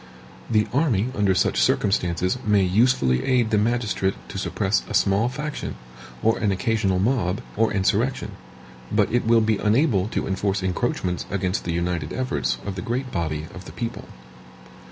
The army under such circumstances may usefully aid the magistrate to suppress a small faction, or an occasional mob, or insurrection; but it will be unable to enforce encroachments against the united efforts of the great body of the people.